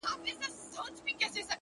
• د سترګو کي ستا د مخ سُرخي ده ـ